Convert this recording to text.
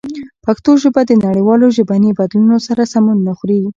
پښتو ژبه د نړیوالو ژبني بدلونونو سره سمون نه خوري.